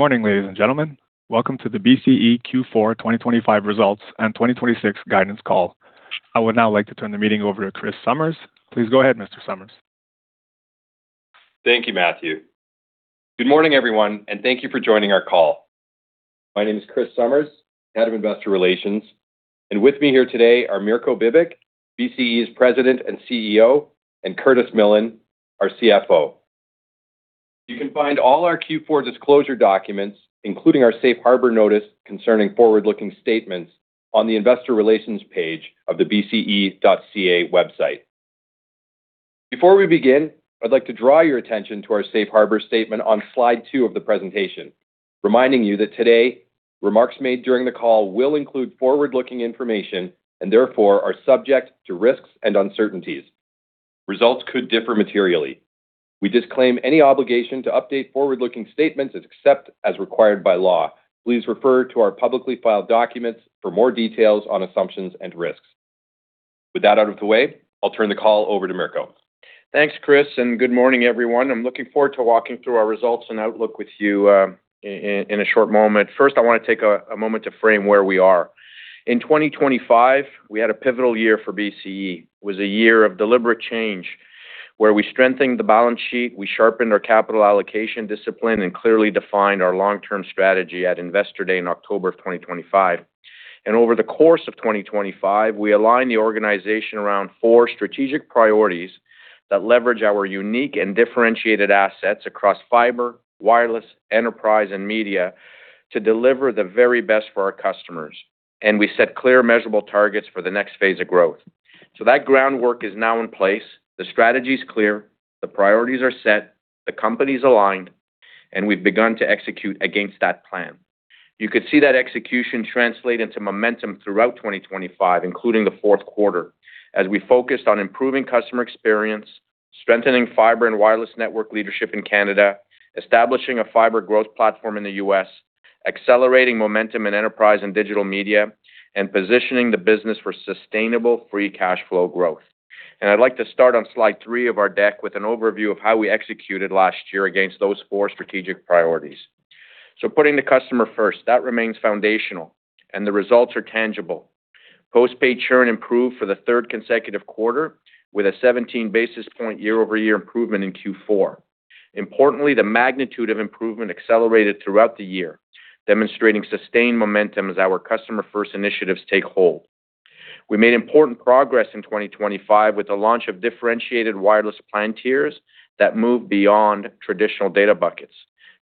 Good morning, ladies and gentlemen. Welcome to the BCE Q4 2025 results and 2026 guidance call. I would now like to turn the meeting over to Chris Summers. Please go ahead, Mr. Summers. Thank you, Matthew. Good morning, everyone, and thank you for joining our call. My name is Chris Summers, Head of Investor Relations, and with me here today are Mirko Bibic, BCE's President and CEO, and Curtis Millen, our CFO. You can find all our Q4 disclosure documents, including our Safe Harbour notice concerning forward-looking statements, on the Investor Relations page of the BCE.ca website. Before we begin, I'd like to draw your attention to our Safe Harbour statement on slide 2 of the presentation, reminding you that today's remarks made during the call will include forward-looking information and therefore are subject to risks and uncertainties. Results could differ materially. We disclaim any obligation to update forward-looking statements except as required by law. Please refer to our publicly filed documents for more details on assumptions and risks. With that out of the way, I'll turn the call over to Mirko. Thanks, Chris, and good morning, everyone. I'm looking forward to walking through our results and outlook with you in a short moment. First, I want to take a moment to frame where we are. In 2025, we had a pivotal year for BCE. It was a year of deliberate change where we strengthened the balance sheet, we sharpened our capital allocation discipline, and clearly defined our long-term strategy at Investor Day in October of 2025. Over the course of 2025, we aligned the organization around four strategic priorities that leverage our unique and differentiated assets across fibre wireless, enterprise, and media to deliver the very best for our customers, and we set clear, measurable targets for the next phase of growth. That groundwork is now in place. The strategy's clear. The priorities are set. The company's aligned. We've begun to execute against that plan. You could see that execution translate into momentum throughout 2025, including the fourth quarter, as we focused on improving customer experience, strengthening fibre and wireless network leadership in Canada, establishing a fibre growth platform in the U.S., accelerating momentum in enterprise and digital media, and positioning the business for sustainable free cash flow growth. I'd like to start on slide 3 of our deck with an overview of how we executed last year against those four strategic priorities. Putting the customer first, that remains foundational, and the results are tangible. Postpaid churn improved for the third consecutive quarter with a 17 basis point year-over-year improvement in Q4. Importantly, the magnitude of improvement accelerated throughout the year, demonstrating sustained momentum as our customer-first initiatives take hold. We made important progress in 2025 with the launch of differentiated wireless plan tiers that move beyond traditional data buckets.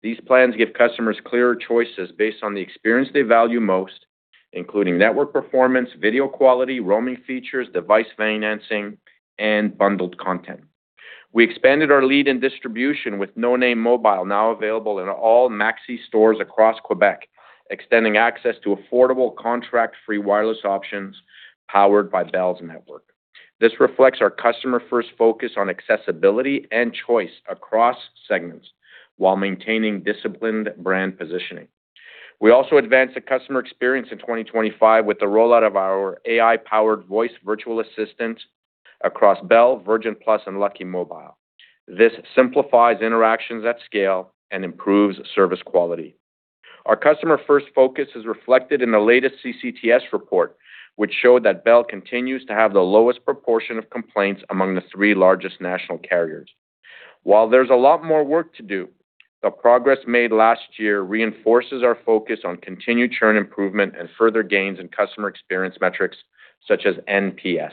These plans give customers clearer choices based on the experience they value most, including network performance, video quality, roaming features, device financing, and bundled content. We expanded our lead in distribution with No Name Mobile now available in all Maxi stores across Quebec, extending access to affordable contract-free wireless options powered by Bell's network. This reflects our customer-first focus on accessibility and choice across segments while maintaining disciplined brand positioning. We also advanced the customer experience in 2025 with the rollout of our AI-powered voice virtual assistant across Bell, Virgin Plus, and Lucky Mobile. This simplifies interactions at scale and improves service quality. Our customer-first focus is reflected in the latest CCTS report, which showed that Bell continues to have the lowest proportion of complaints among the three largest national carriers. While there's a lot more work to do, the progress made last year reinforces our focus on continued churn improvement and further gains in customer experience metrics such as NPS.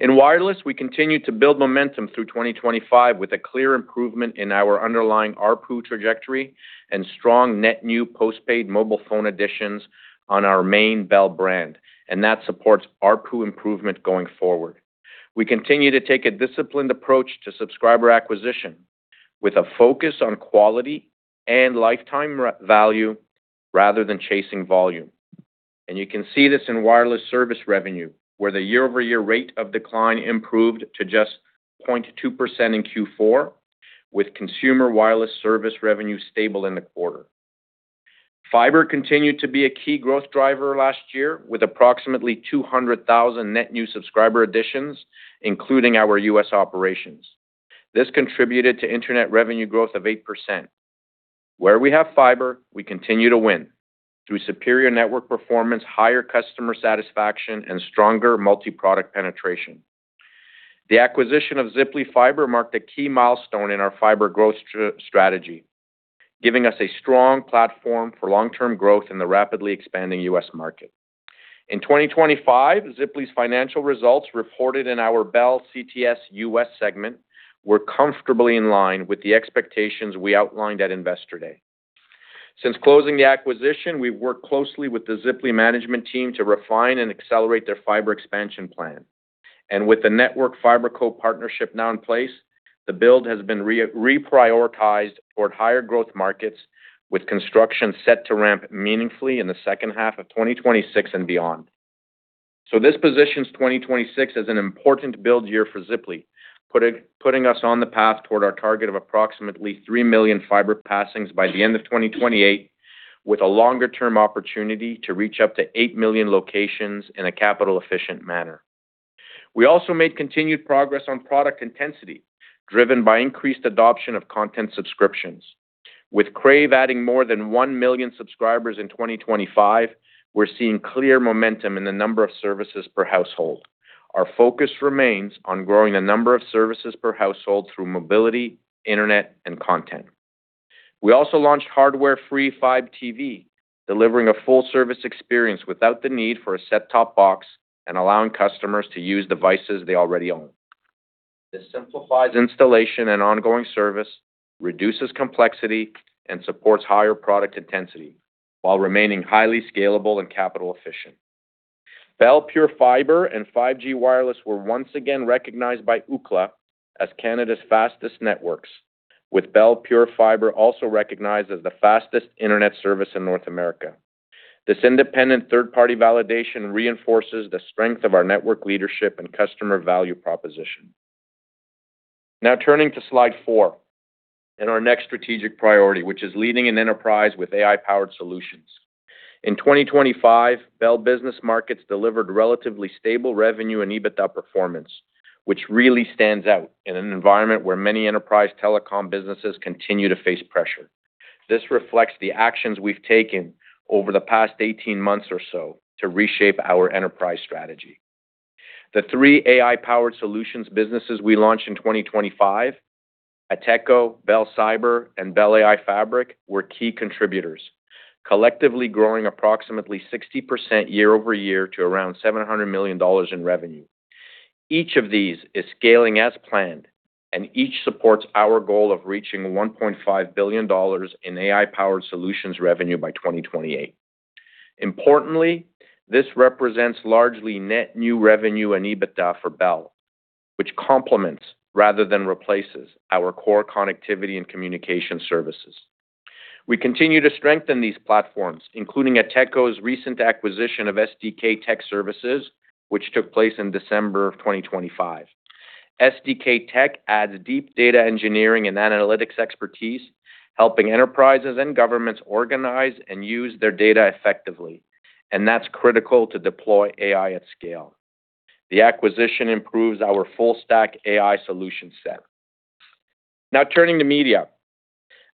In wireless, we continue to build momentum through 2025 with a clear improvement in our underlying ARPU trajectory and strong net new postpaid mobile phone additions on our main Bell brand, and that supports ARPU improvement going forward. We continue to take a disciplined approach to subscriber acquisition with a focus on quality and lifetime value rather than chasing volume. And you can see this in wireless service revenue, where the year-over-year rate of decline improved to just 0.2% in Q4, with consumer wireless service revenue stable in the quarter. Fibre continued to be a key growth driver last year with approximately 200,000 net new subscriber additions, including our U.S. operations. This contributed to internet revenue growth of 8%. Where we have fibre, we continue to win through superior network performance, higher customer satisfaction, and stronger multi-product penetration. The acquisition of Ziply Fiber marked a key milestone in our fibre growth strategy, giving us a strong platform for long-term growth in the rapidly expanding U.S. market. In 2025, Ziply's financial results reported in our Bell CTS U.S. segment were comfortably in line with the expectations we outlined at Investor Day. Since closing the acquisition, we've worked closely with the Ziply management team to refine and accelerate their fibre expansion plan. With the Network FiberCo partnership now in place, the build has been reprioritized toward higher growth markets, with construction set to ramp meaningfully in the second half of 2026 and beyond. So this positions 2026 as an important build year for Ziply, putting us on the path toward our target of approximately 3 million fibre passings by the end of 2028, with a longer-term opportunity to reach up to 8 million locations in a capital-efficient manner. We also made continued progress on product intensity, driven by increased adoption of content subscriptions. With Crave adding more than 1 million subscribers in 2025, we're seeing clear momentum in the number of services per household. Our focus remains on growing the number of services per household through mobility, internet, and content. We also launched hardware-free Fibe TV, delivering a full-service experience without the need for a set-top box and allowing customers to use devices they already own. This simplifies installation and ongoing service, reduces complexity, and supports higher product intensity while remaining highly scalable and capital-efficient. Bell Pure Fibre and 5G wireless were once again recognized by Ookla as Canada's fastest networks, with Bell Pure Fibre also recognized as the fastest internet service in North America. This independent third-party validation reinforces the strength of our network leadership and customer value proposition. Now turning to slide 4 and our next strategic priority, which is leading an enterprise with AI-powered solutions. In 2025, Bell Business Markets delivered relatively stable revenue and EBITDA performance, which really stands out in an environment where many enterprise telecom businesses continue to face pressure. This reflects the actions we've taken over the past 18 months or so to reshape our enterprise strategy. The three AI-powered solutions businesses we launched in 2025, Ateco, Bell Cyber, and Bell AI Fabric, were key contributors, collectively growing approximately 60% year-over-year to around 700 million dollars in revenue. Each of these is scaling as planned, and each supports our goal of reaching 1.5 billion dollars in AI-powered solutions revenue by 2028. Importantly, this represents largely net new revenue and EBITDA for Bell, which complements rather than replaces our core connectivity and communication services. We continue to strengthen these platforms, including Ateco's recent acquisition of SDK Tech Services, which took place in December of 2025. SDK Tech adds deep data engineering and analytics expertise, helping enterprises and governments organize and use their data effectively, and that's critical to deploy AI at scale. The acquisition improves our full-stack AI solution set. Now turning to media.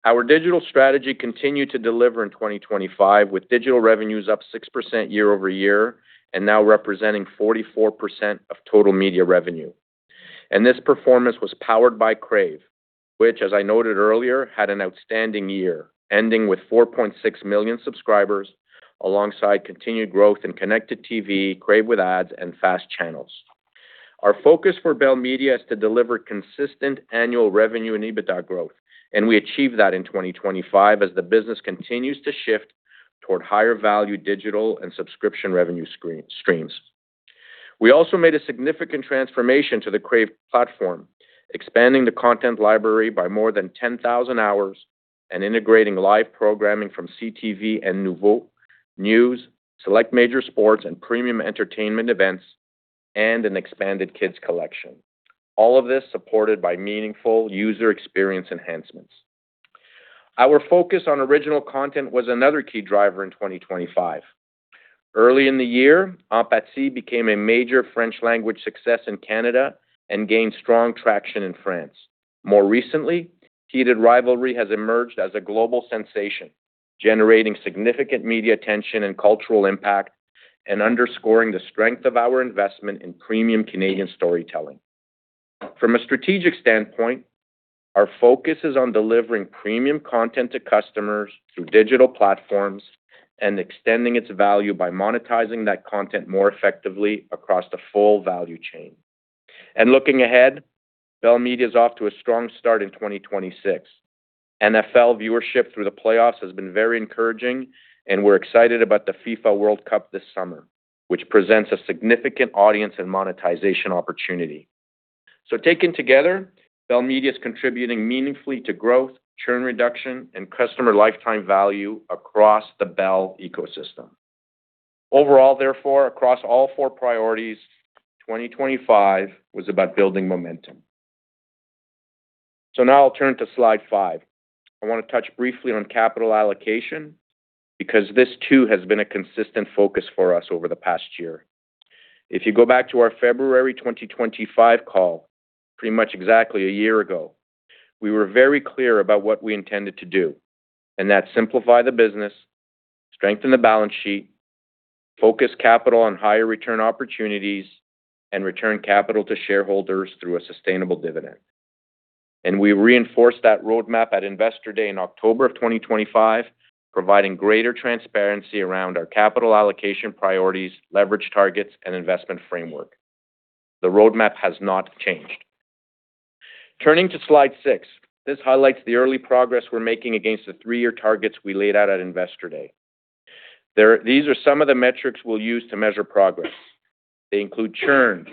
Our digital strategy continued to deliver in 2025, with digital revenues up 6% year-over-year and now representing 44% of total media revenue. This performance was powered by Crave, which, as I noted earlier, had an outstanding year, ending with 4.6 million subscribers alongside continued growth in connected TV, Crave with ads, and fast channels. Our focus for Bell Media is to deliver consistent annual revenue and EBITDA growth, and we achieved that in 2025 as the business continues to shift toward higher-value digital and subscription revenue streams. We also made a significant transformation to the Crave platform, expanding the content library by more than 10,000 hours and integrating live programming from CTV and Noovo, news, select major sports, and premium entertainment events, and an expanded kids' collection, all of this supported by meaningful user experience enhancements. Our focus on original content was another key driver in 2025. Early in the year, Ampacy became a major French-language success in Canada and gained strong traction in France. More recently, Heated Rivalry has emerged as a global sensation, generating significant media attention and cultural impact, and underscoring the strength of our investment in premium Canadian storytelling. From a strategic standpoint, our focus is on delivering premium content to customers through digital platforms and extending its value by monetizing that content more effectively across the full value chain. Looking ahead, Bell Media is off to a strong start in 2026. NFL viewership through the playoffs has been very encouraging, and we're excited about the FIFA World Cup this summer, which presents a significant audience and monetization opportunity. Taken together, Bell Media is contributing meaningfully to growth, churn reduction, and customer lifetime value across the Bell ecosystem. Overall, therefore, across all four priorities, 2025 was about building momentum. Now I'll turn to slide 5. I want to touch briefly on capital allocation because this too has been a consistent focus for us over the past year. If you go back to our February 2025 call, pretty much exactly a year ago, we were very clear about what we intended to do, and that simplify the business, strengthen the balance sheet, focus capital on higher return opportunities, and return capital to shareholders through a sustainable dividend. We reinforced that roadmap at Investor Day in October of 2025, providing greater transparency around our capital allocation priorities, leverage targets, and investment framework. The roadmap has not changed. Turning to slide 6, this highlights the early progress we're making against the three-year targets we laid out at Investor Day. These are some of the metrics we'll use to measure progress. They include churn,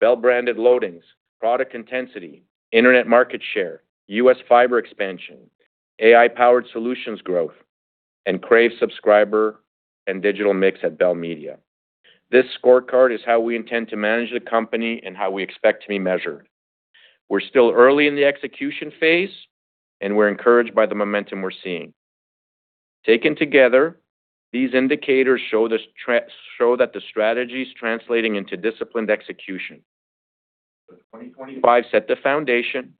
Bell-branded loadings, product intensity, internet market share, U.S. fibre expansion, AI-powered solutions growth, and Crave subscriber and digital mix at Bell Media. This scorecard is how we intend to manage the company and how we expect to be measured. We're still early in the execution phase, and we're encouraged by the momentum we're seeing. Taken together, these indicators show that the strategy's translating into disciplined execution. So 2025 set the foundation,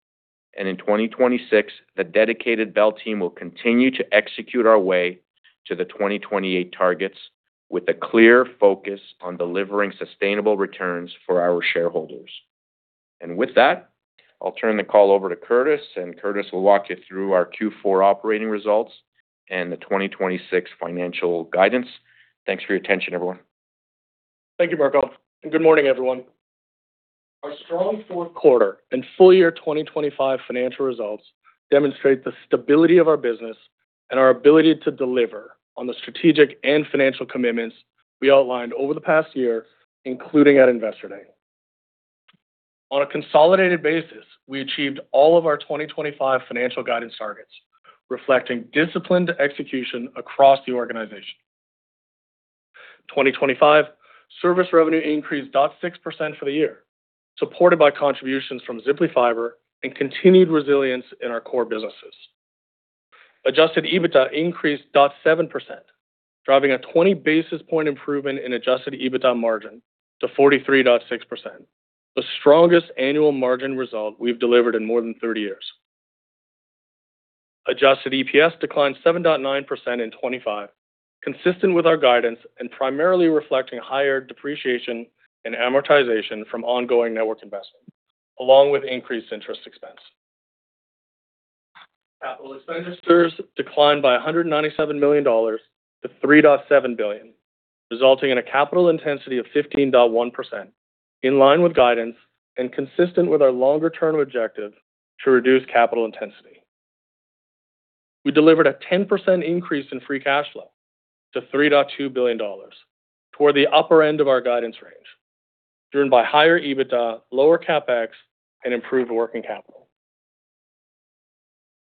and in 2026, the dedicated Bell team will continue to execute our way to the 2028 targets with a clear focus on delivering sustainable returns for our shareholders. And with that, I'll turn the call over to Curtis, and Curtis will walk you through our Q4 operating results and the 2026 financial guidance. Thanks for your attention, everyone. Thank you, Mirko. Good morning, everyone. Our strong fourth quarter and full-year 2025 financial results demonstrate the stability of our business and our ability to deliver on the strategic and financial commitments we outlined over the past year, including at Investor Day. On a consolidated basis, we achieved all of our 2025 financial guidance targets, reflecting disciplined execution across the organization. 2025 service revenue increased 0.6% for the year, supported by contributions from Ziply Fiber and continued resilience in our core businesses. Adjusted EBITDA increased 0.7%, driving a 20 basis point improvement in adjusted EBITDA margin to 43.6%, the strongest annual margin result we've delivered in more than 30 years. Adjusted EPS declined 7.9% in 2025, consistent with our guidance and primarily reflecting higher depreciation and amortization from ongoing network investment, along with increased interest expense. Capital expenditures declined by 197 million dollars to 3.7 billion, resulting in a capital intensity of 15.1%, in line with guidance and consistent with our longer-term objective to reduce capital intensity. We delivered a 10% increase in free cash flow to 3.2 billion dollars, toward the upper end of our guidance range, driven by higher EBITDA, lower CapEx, and improved working capital.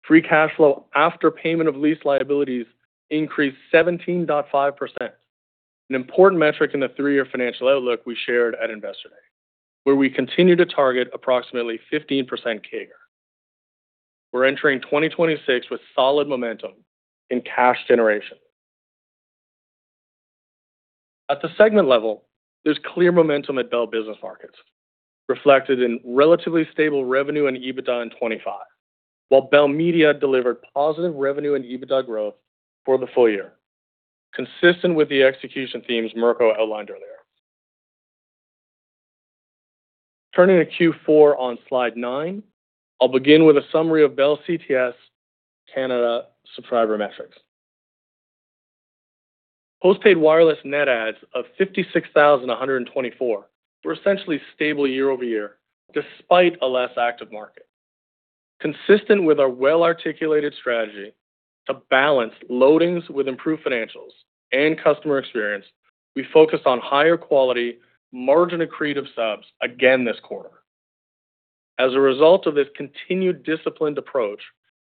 Free cash flow after payment of lease liabilities increased 17.5%, an important metric in the three-year financial outlook we shared at Investor Day, where we continue to target approximately 15% CAGR. We're entering 2026 with solid momentum in cash generation. At the segment level, there's clear momentum at Bell Business Markets, reflected in relatively stable revenue and EBITDA in 2025, while Bell Media delivered positive revenue and EBITDA growth for the full year, consistent with the execution themes Mirko outlined earlier. Turning to Q4 on slide 9, I'll begin with a summary of Bell CTS Canada subscriber metrics. Postpaid wireless net adds of 56,124 were essentially stable year-over-year despite a less active market. Consistent with our well-articulated strategy to balance loadings with improved financials and customer experience, we focused on higher quality, margin-accretive subs again this quarter. As a result of this continued disciplined approach,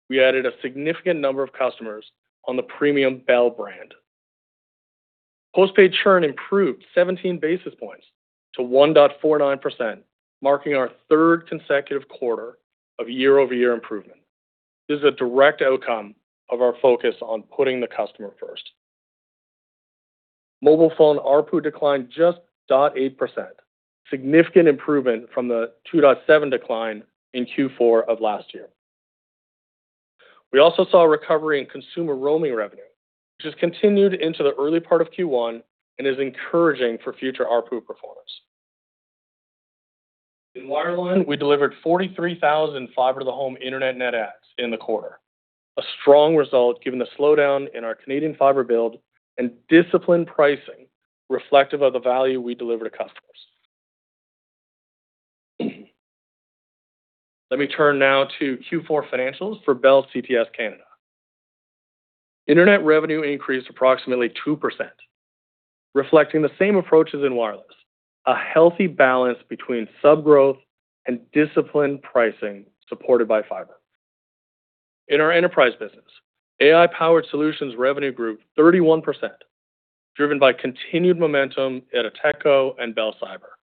we added a significant number of customers on the premium Bell brand. Postpaid churn improved 17 basis points to 1.49%, marking our third consecutive quarter of year-over-year improvement. This is a direct outcome of our focus on putting the customer first. Mobile phone ARPU declined just 0.8%, significant improvement from the 2.7% decline in Q4 of last year. We also saw recovery in consumer roaming revenue, which has continued into the early part of Q1 and is encouraging for future ARPU performance. In wireline, we delivered 43,000 fibre-to-the-home internet net adds in the quarter, a strong result given the slowdown in our Canadian fibre build and disciplined pricing reflective of the value we deliver to customers. Let me turn now to Q4 financials for Bell CTS Canada. Internet revenue increased approximately 2%, reflecting the same approach as in wireless: a healthy balance between subgrowth and disciplined pricing supported by fibre. In our enterprise business, AI-powered solutions revenue grew 31%, driven by continued momentum at Ateco and Bell Cyber.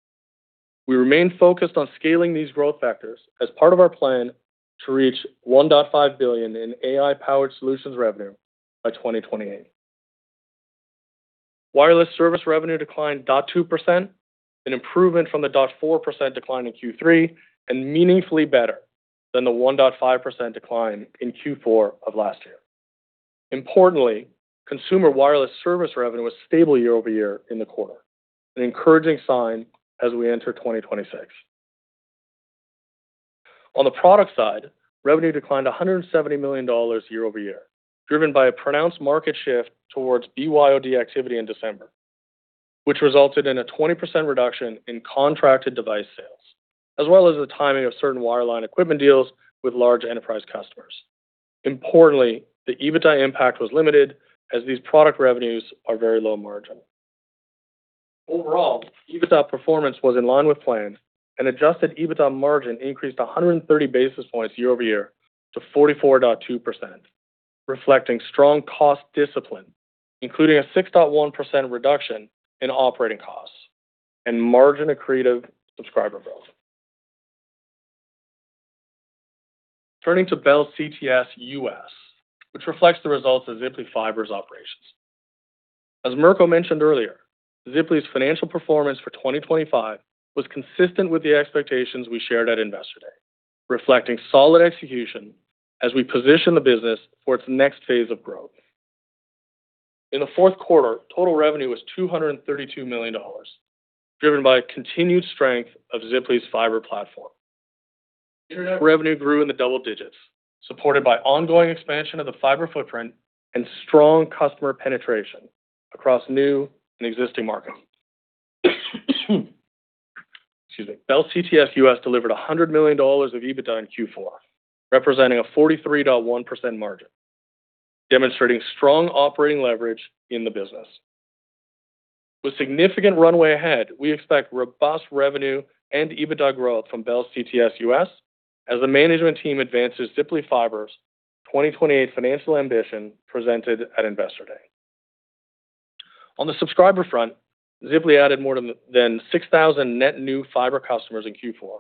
We remain focused on scaling these growth factors as part of our plan to reach 1.5 billion in AI-powered solutions revenue by 2028. Wireless service revenue declined 0.2%, an improvement from the 0.4% decline in Q3 and meaningfully better than the 1.5% decline in Q4 of last year. Importantly, consumer wireless service revenue was stable year-over-year in the quarter, an encouraging sign as we enter 2026. On the product side, revenue declined 170 million dollars year-over-year, driven by a pronounced market shift towards BYOD activity in December, which resulted in a 20% reduction in contracted device sales, as well as the timing of certain wireline equipment deals with large enterprise customers. Importantly, the EBITDA impact was limited as these product revenues are very low margin. Overall, EBITDA performance was in line with plan, and adjusted EBITDA margin increased 130 basis points year-over-year to 44.2%, reflecting strong cost discipline, including a 6.1% reduction in operating costs and margin-accretive subscriber growth. Turning to Bell CTS U.S., which reflects the results of Ziply Fiber's operations. As Mirko mentioned earlier, Ziply's financial performance for 2025 was consistent with the expectations we shared at Investor Day, reflecting solid execution as we position the business for its next phase of growth. In the fourth quarter, total revenue was $232 million, driven by continued strength of Ziply's fibre platform. Internet revenue grew in the double digits, supported by ongoing expansion of the fibre footprint and strong customer penetration across new and existing markets. Excuse me. Bell CTS U.S. delivered $100 million of EBITDA in Q4, representing a 43.1% margin, demonstrating strong operating leverage in the business. With significant runway ahead, we expect robust revenue and EBITDA growth from Bell CTS U.S. as the management team advances Ziply Fiber's 2028 financial ambition presented at Investor Day. On the subscriber front, Ziply added more than 6,000 net new fibre customers in Q4,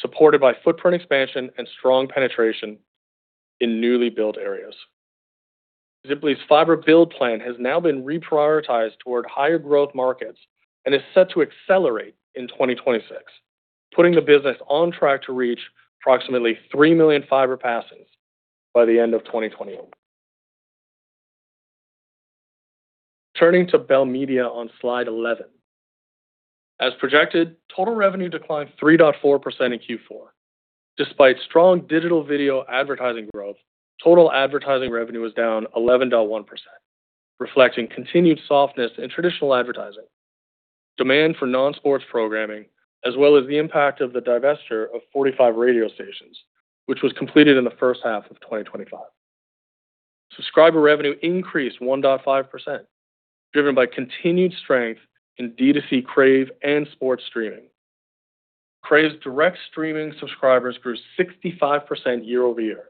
supported by footprint expansion and strong penetration in newly built areas. Ziply's fibre build plan has now been reprioritized toward higher growth markets and is set to accelerate in 2026, putting the business on track to reach approximately 3 million fibre passings by the end of 2028. Turning to Bell Media on slide 11. As projected, total revenue declined 3.4% in Q4. Despite strong digital video advertising growth, total advertising revenue was down 11.1%, reflecting continued softness in traditional advertising, demand for non-sports programming, as well as the impact of the divestiture of 45 radio stations, which was completed in the first half of 2025. Subscriber revenue increased 1.5%, driven by continued strength in D2C Crave and sports streaming. Crave's direct streaming subscribers grew 65% year-over-year,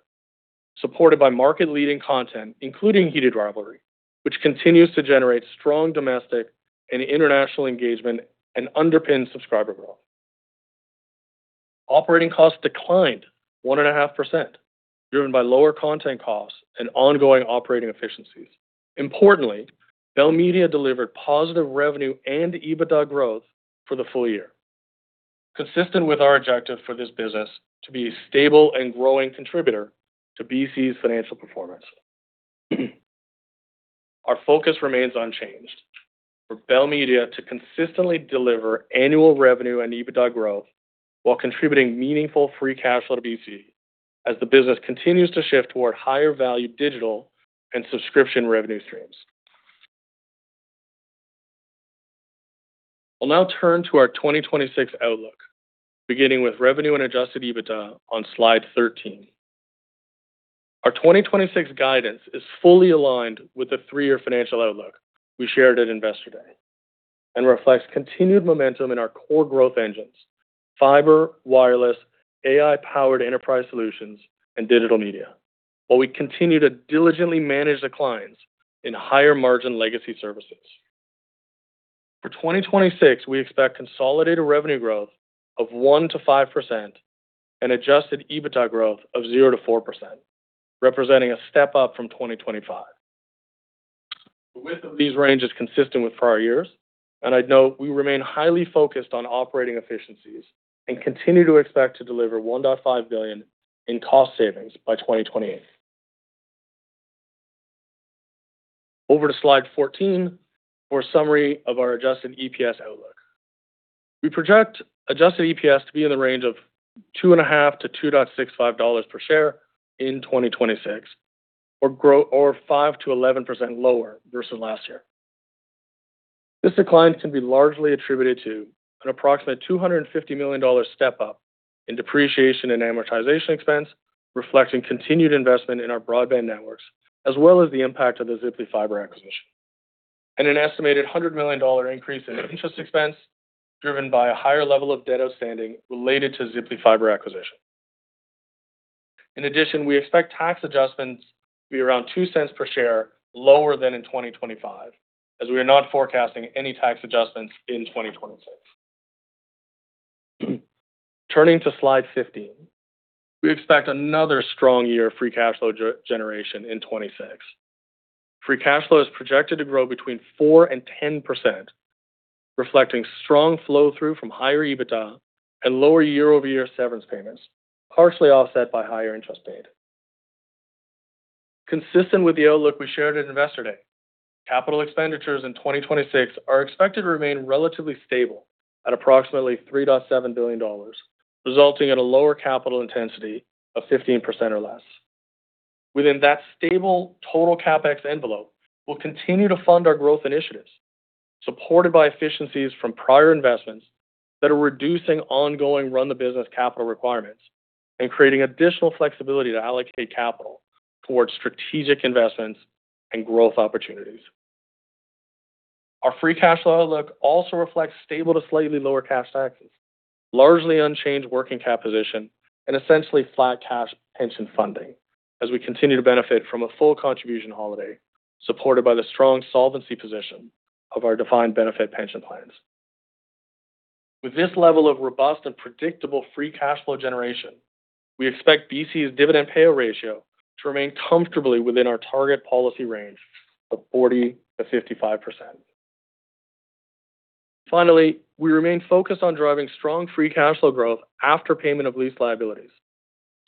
supported by market-leading content, including Heated Rivalry, which continues to generate strong domestic and international engagement and underpins subscriber growth. Operating costs declined 1.5%, driven by lower content costs and ongoing operating efficiencies. Importantly, Bell Media delivered positive revenue and EBITDA growth for the full year, consistent with our objective for this business to be a stable and growing contributor to BCE's financial performance. Our focus remains unchanged for Bell Media to consistently deliver annual revenue and EBITDA growth while contributing meaningful free cash flow to BCE as the business continues to shift toward higher-value digital and subscription revenue streams. I'll now turn to our 2026 outlook, beginning with revenue and Adjusted EBITDA on slide 13. Our 2026 guidance is fully aligned with the three-year financial outlook we shared at Investor Day and reflects continued momentum in our core growth engines: fibre, wireless, AI-powered enterprise solutions, and digital media, while we continue to diligently manage declines in higher-margin legacy services. For 2026, we expect consolidated revenue growth of 1%-5% and adjusted EBITDA growth of 0%-4%, representing a step up from 2025. The width of these ranges is consistent with prior years, and I'd note we remain highly focused on operating efficiencies and continue to expect to deliver 1.5 billion in cost savings by 2028. Over to slide 14 for a summary of our adjusted EPS outlook. We project adjusted EPS to be in the range of 2.5-2.65 dollars per share in 2026, or 5%-11% lower versus last year. This decline can be largely attributed to an approximate 250 million dollars step up in depreciation and amortization expense, reflecting continued investment in our broadband networks as well as the impact of the Ziply Fiber acquisition, and an estimated 100 million dollar increase in interest expense driven by a higher level of debt outstanding related to Ziply Fiber acquisition. In addition, we expect tax adjustments to be around 0.02 per share lower than in 2025, as we are not forecasting any tax adjustments in 2026. Turning to slide 15. We expect another strong year of free cash flow generation in 2026. Free cash flow is projected to grow between 4%-10%, reflecting strong flow-through from higher EBITDA and lower year-over-year severance payments, partially offset by higher interest paid. Consistent with the outlook we shared at Investor Day, capital expenditures in 2026 are expected to remain relatively stable at approximately 3.7 billion dollars, resulting in a lower capital intensity of 15% or less. Within that stable total CapEx envelope, we'll continue to fund our growth initiatives, supported by efficiencies from prior investments that are reducing ongoing run-the-business capital requirements and creating additional flexibility to allocate capital towards strategic investments and growth opportunities. Our free cash flow outlook also reflects stable to slightly lower cash taxes, largely unchanged working capital position, and essentially flat cash pension funding, as we continue to benefit from a full contribution holiday supported by the strong solvency position of our defined benefit pension plans. With this level of robust and predictable free cash flow generation, we expect BCE's dividend payout ratio to remain comfortably within our target policy range of 40%-55%. Finally, we remain focused on driving strong free cash flow growth after payment of lease liabilities,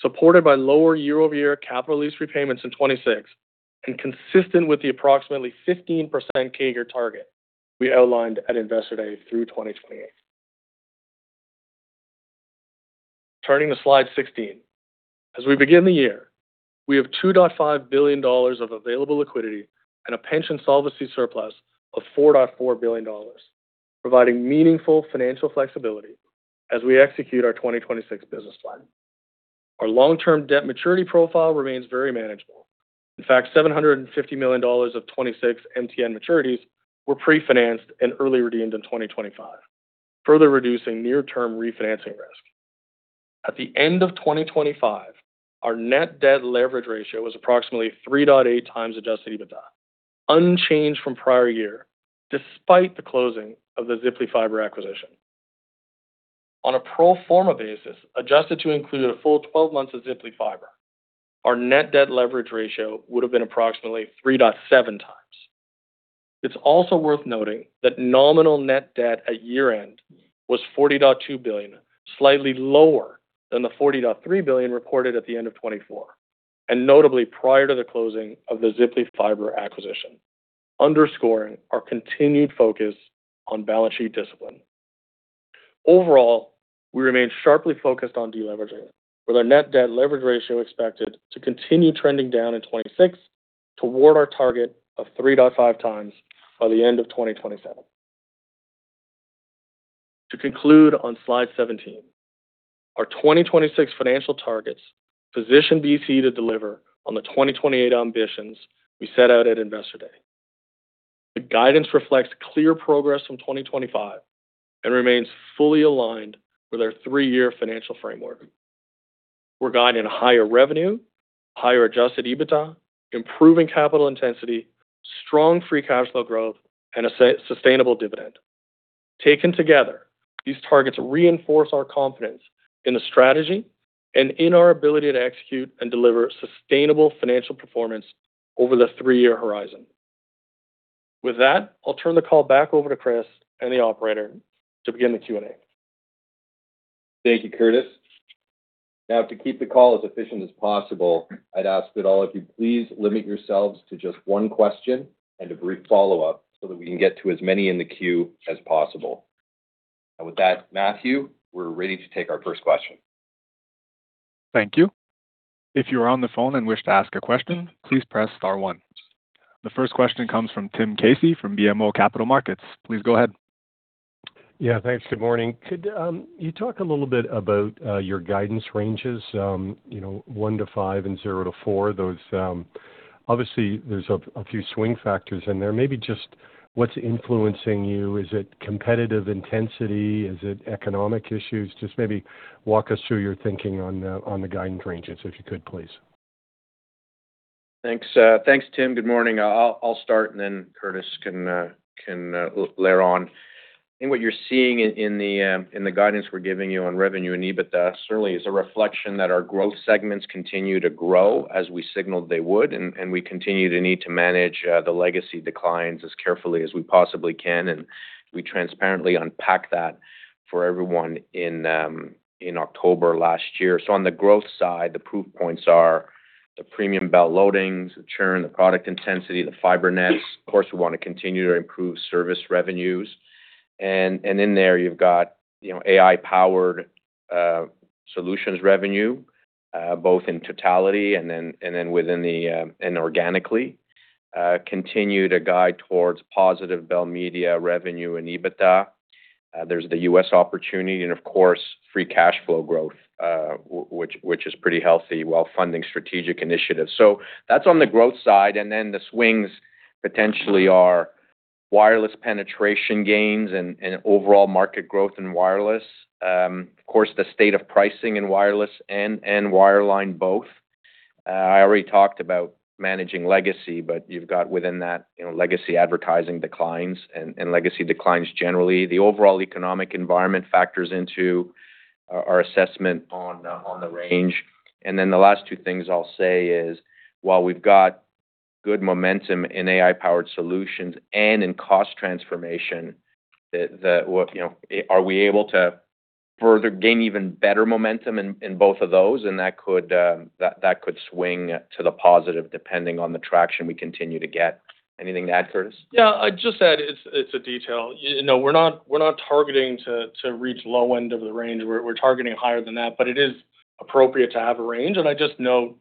supported by lower year-over-year capital lease repayments in 2026 and consistent with the approximately 15% CAGR target we outlined at Investor Day through 2028. Turning to slide 16. As we begin the year, we have 2.5 billion dollars of available liquidity and a pension solvency surplus of 4.4 billion dollars, providing meaningful financial flexibility as we execute our 2026 business plan. Our long-term debt maturity profile remains very manageable. In fact, 750 million dollars of 2026 MTN maturities were pre-financed and early redeemed in 2025, further reducing near-term refinancing risk. At the end of 2025, our net debt leverage ratio was approximately 3.8 times adjusted EBITDA, unchanged from prior year despite the closing of the Ziply Fiber acquisition. On a pro forma basis, adjusted to include a full 12 months of Ziply Fiber, our net debt leverage ratio would have been approximately 3.7x. It's also worth noting that nominal net debt at year-end was 40.2 billion, slightly lower than the 40.3 billion reported at the end of 2024, and notably prior to the closing of the Ziply Fiber acquisition, underscoring our continued focus on balance sheet discipline. Overall, we remain sharply focused on deleveraging, with our net debt leverage ratio expected to continue trending down in 2026 toward our target of 3.5x by the end of 2027. To conclude on slide 17. Our 2026 financial targets position BCE to deliver on the 2028 ambitions we set out at Investor Day. The guidance reflects clear progress from 2025 and remains fully aligned with our three-year financial framework. We're guiding to higher revenue, higher Adjusted EBITDA, improving capital intensity, strong free cash flow growth, and a sustainable dividend. Taken together, these targets reinforce our confidence in the strategy and in our ability to execute and deliver sustainable financial performance over the three-year horizon. With that, I'll turn the call back over to Chris and the operator to begin the Q&A. Thank you, Curtis. Now, to keep the call as efficient as possible, I'd ask that all of you please limit yourselves to just one question and a brief follow-up so that we can get to as many in the queue as possible. With that, Matthew, we're ready to take our first question. Thank you. If you are on the phone and wish to ask a question, please press star 1. The first question comes from Tim Casey from BMO Capital Markets. Please go ahead. Yeah, thanks. Good morning. Could you talk a little bit about your guidance ranges, 1-5 and 0-4? Obviously, there's a few swing factors in there. Maybe just what's influencing you? Is it competitive intensity? Is it economic issues? Just maybe walk us through your thinking on the guidance ranges, if you could, please. Thanks. Thanks, Tim. Good morning. I'll start, and then Curtis can layer on. I think what you're seeing in the guidance we're giving you on revenue and EBITDA certainly is a reflection that our growth segments continue to grow as we signaled they would, and we continue to need to manage the legacy declines as carefully as we possibly can, and we transparently unpack that for everyone in October last year. So on the growth side, the proof points are the premium belt loadings, the churn, the product intensity, the fibre nets. Of course, we want to continue to improve service revenues. And in there, you've got AI-powered solutions revenue, both in totality and then within the and organically, continue to guide towards positive Bell Media revenue and EBITDA. There's the U.S. opportunity and, of course, free cash flow growth, which is pretty healthy while funding strategic initiatives. So that's on the growth side. Then the swings potentially are wireless penetration gains and overall market growth in wireless. Of course, the state of pricing in wireless and wireline both. I already talked about managing legacy, but you've got within that legacy advertising declines and legacy declines generally. The overall economic environment factors into our assessment on the range. Then the last two things I'll say is, while we've got good momentum in AI-powered solutions and in cost transformation, are we able to further gain even better momentum in both of those? And that could swing to the positive depending on the traction we continue to get. Anything to add, Curtis? Yeah. I'd just add it's a detail. No, we're not targeting to reach low end of the range. We're targeting higher than that, but it is appropriate to have a range. I just note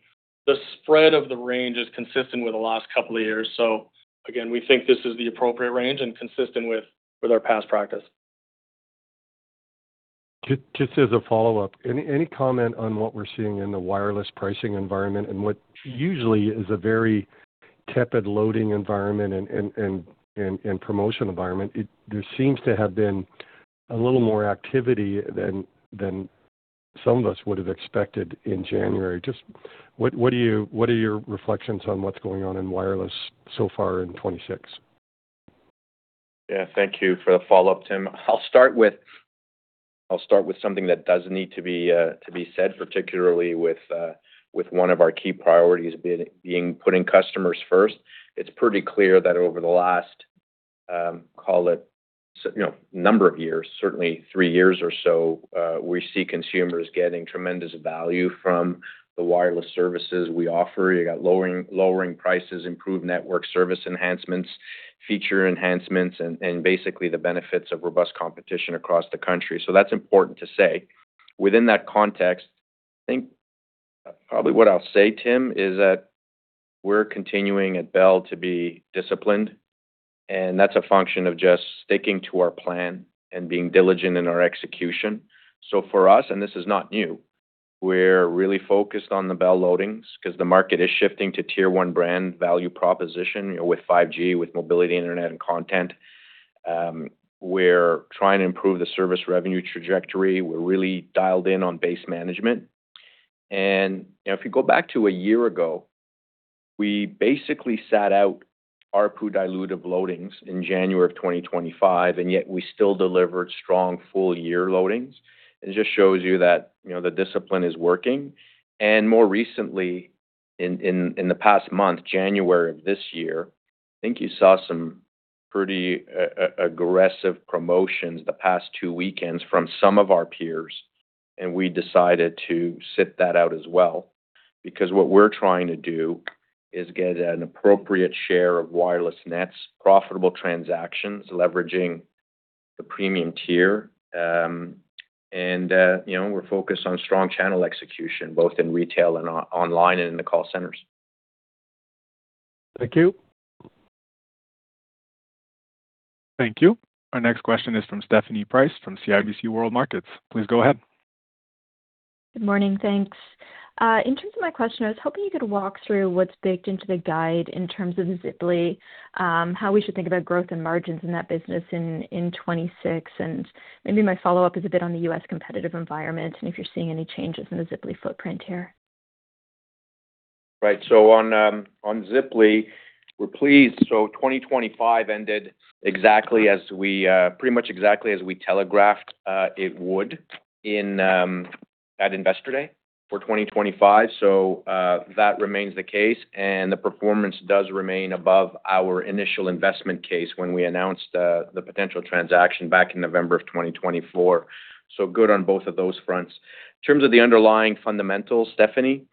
the spread of the range is consistent with the last couple of years. Again, we think this is the appropriate range and consistent with our past practice. Just as a follow-up, any comment on what we're seeing in the wireless pricing environment and what usually is a very tepid loading environment and promotion environment? There seems to have been a little more activity than some of us would have expected in January. Just what are your reflections on what's going on in wireless so far in 2026? Yeah. Thank you for the follow-up, Tim. I'll start with something that does need to be said, particularly with one of our key priorities being putting customers first. It's pretty clear that over the last, call it, number of years, certainly three years or so, we see consumers getting tremendous value from the wireless services we offer. You've got lowering prices, improved network service enhancements, feature enhancements, and basically the benefits of robust competition across the country. So that's important to say. Within that context, I think probably what I'll say, Tim, is that we're continuing at Bell to be disciplined, and that's a function of just sticking to our plan and being diligent in our execution. So for us, and this is not new, we're really focused on the Bell loadings because the market is shifting to tier one brand value proposition with 5G, with mobility, internet, and content. We're trying to improve the service revenue trajectory. We're really dialed in on base management. And if you go back to a year ago, we basically sat out ARPU dilutive loadings in January of 2025, and yet we still delivered strong full-year loadings. It just shows you that the discipline is working. And more recently, in the past month, January of this year, I think you saw some pretty aggressive promotions the past 2 weekends from some of our peers, and we decided to sit that out as well because what we're trying to do is get an appropriate share of wireless nets, profitable transactions, leveraging the premium tier. And we're focused on strong channel execution, both in retail and online and in the call centers. Thank you. Thank you. Our next question is from Stephanie Price from CIBC World Markets. Please go ahead. Good morning. Thanks. In terms of my question, I was hoping you could walk through what's baked into the guide in terms of Ziply, how we should think about growth and margins in that business in 2026. Maybe my follow-up is a bit on the U.S. competitive environment and if you're seeing any changes in the Ziply footprint here. Right. So on Ziply, we're pleased. So 2025 ended exactly as we pretty much telegraphed it would at Investor Day for 2025. So that remains the case, and the performance does remain above our initial investment case when we announced the potential transaction back in November of 2024. So good on both of those fronts. In terms of the underlying fundamentals, Stephanie,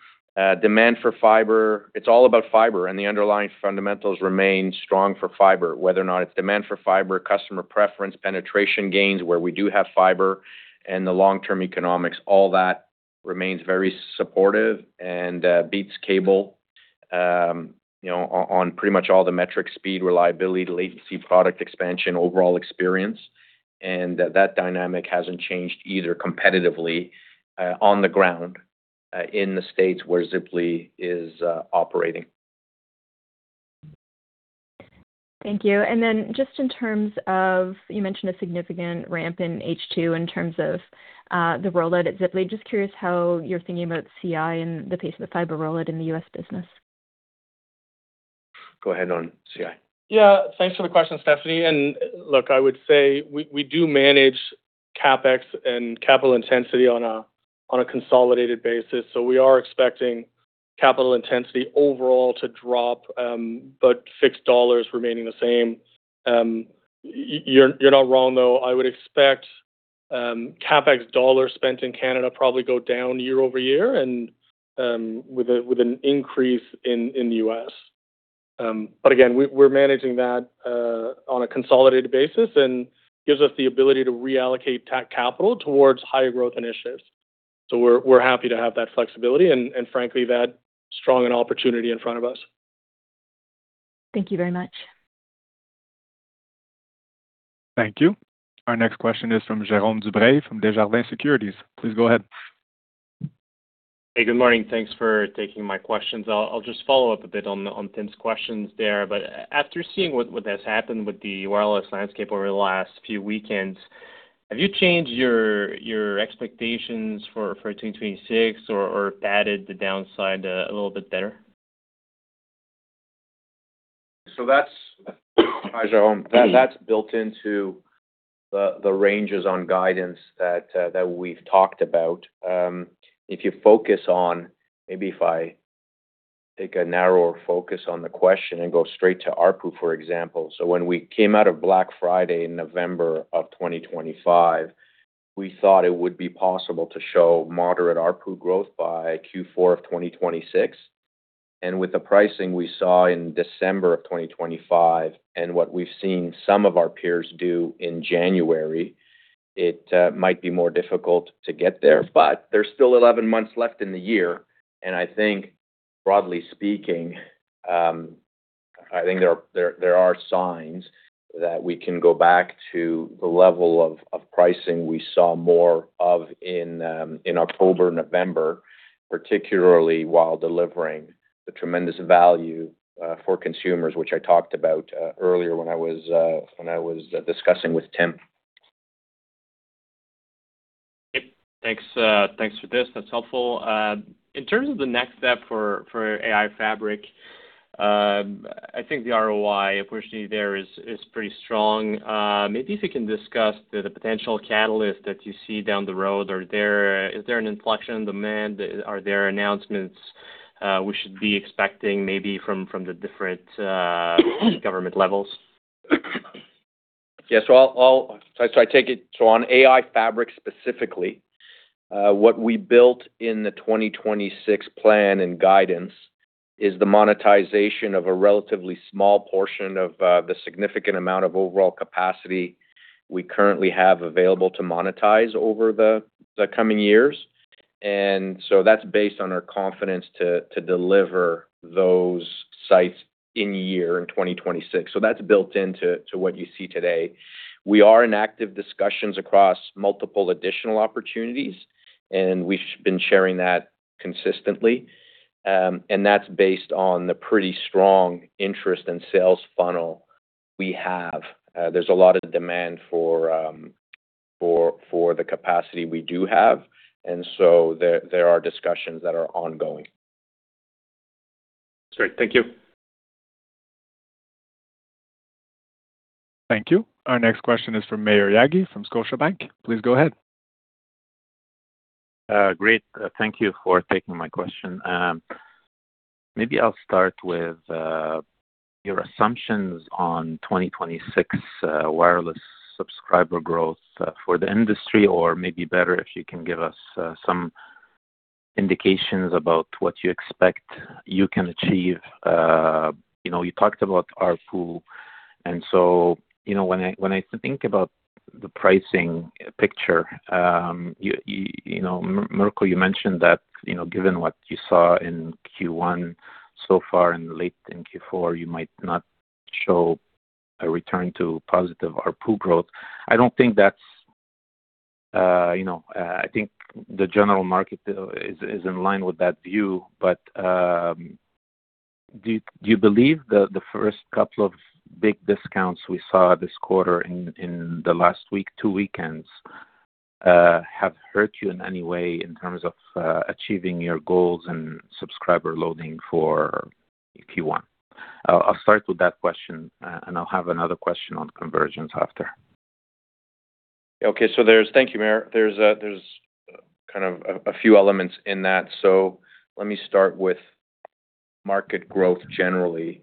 demand for fibre, it's all about fibre, and the underlying fundamentals remain strong for fibre, whether or not it's demand for fibre, customer preference, penetration gains where we do have fibre, and the long-term economics, all that remains very supportive and beats cable on pretty much all the metrics: speed, reliability, latency, product expansion, overall experience. And that dynamic hasn't changed either competitively on the ground in the states where Ziply is operating. Thank you. Then just in terms of you mentioned a significant ramp in H2 in terms of the rollout at Ziply. Just curious how you're thinking about CI and the pace of the fibre rollout in the U.S. business. Go ahead on CI. Yeah. Thanks for the question, Stephanie. And look, I would say we do manage CapEx and capital intensity on a consolidated basis. So we are expecting capital intensity overall to drop, but fixed dollars remaining the same. You're not wrong, though. I would expect CapEx dollars spent in Canada probably go down year-over-year and with an increase in the U.S. But again, we're managing that on a consolidated basis and gives us the ability to reallocate tech capital towards higher growth initiatives. So we're happy to have that flexibility and, frankly, that strong opportunity in front of us. Thank you very much. Thank you. Our next question is from Jérôme Dubreuil from Desjardins Securities. Please go ahead. Hey, good morning. Thanks for taking my questions. I'll just follow up a bit on Tim's questions there. But after seeing what has happened with the wireless landscape over the last few weekends, have you changed your expectations for 2026 or padded the downside a little bit better? So that's, Jérôme, that's built into the ranges on guidance that we've talked about. If you focus on maybe if I take a narrower focus on the question and go straight to ARPU, for example. So when we came out of Black Friday in November of 2025, we thought it would be possible to show moderate ARPU growth by Q4 of 2026. And with the pricing we saw in December of 2025 and what we've seen some of our peers do in January, it might be more difficult to get there. But there's still 11 months left in the year. I think, broadly speaking, I think there are signs that we can go back to the level of pricing we saw more of in October, November, particularly while delivering the tremendous value for consumers, which I talked about earlier when I was discussing with Tim. Yep. Thanks for this. That's helpful. In terms of the next step for AI Fabric, I think the ROI opportunity there is pretty strong. Maybe if you can discuss the potential catalysts that you see down the road, are there an inflection in demand? Are there announcements we should be expecting maybe from the different government levels? Yeah. So I'll take it. So on AI Fabric specifically, what we built in the 2026 plan and guidance is the monetization of a relatively small portion of the significant amount of overall capacity we currently have available to monetize over the coming years. And so that's based on our confidence to deliver those sites in year in 2026. So that's built into what you see today. We are in active discussions across multiple additional opportunities, and we've been sharing that consistently. And that's based on the pretty strong interest and sales funnel we have. There's a lot of demand for the capacity we do have. And so there are discussions that are ongoing. Great. Thank you. Thank you. Our next question is from Maher Yaghi from Scotiabank. Please go ahead. Great. Thank you for taking my question. Maybe I'll start with your assumptions on 2026 wireless subscriber growth for the industry, or maybe better, if you can give us some indications about what you expect you can achieve. You talked about ARPU. And so when I think about the pricing picture, Mirko, you mentioned that given what you saw in Q1 so far and late in Q4, you might not show a return to positive ARPU growth. I don't think that's. I think the general market is in line with that view. But do you believe the first couple of big discounts we saw this quarter in the last week, 2 weekends, have hurt you in any way in terms of achieving your goals and subscriber loading for Q1? I'll start with that question, and I'll have another question on conversions after. Okay. So thank you, Maher. There's kind of a few elements in that. So let me start with market growth generally.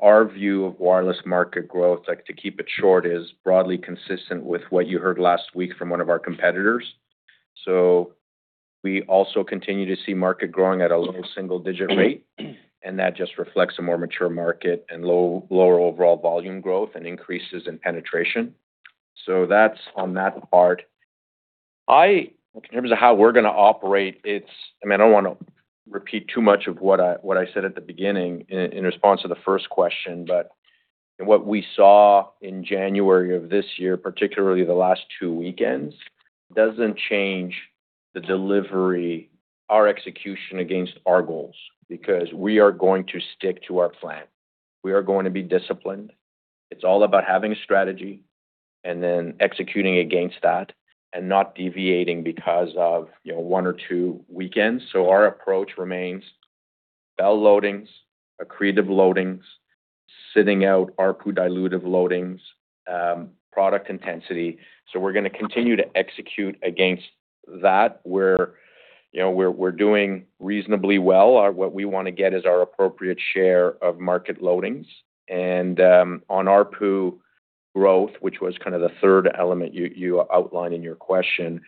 Our view of wireless market growth, to keep it short, is broadly consistent with what you heard last week from one of our competitors. So we also continue to see market growing at a low single-digit rate, and that just reflects a more mature market and lower overall volume growth and increases in penetration. So on that part, in terms of how we're going to operate, it's I mean, I don't want to repeat too much of what I said at the beginning in response to the first question. But what we saw in January of this year, particularly the last two weekends, doesn't change our execution against our goals because we are going to stick to our plan. We are going to be disciplined. It's all about having a strategy and then executing against that and not deviating because of one or two weekends. So our approach remains belt loadings, accretive loadings, sitting out ARPU dilutive loadings, product intensity. So we're going to continue to execute against that. We're doing reasonably well. What we want to get is our appropriate share of market loadings. And on ARPU growth, which was kind of the third element you outlined in your question,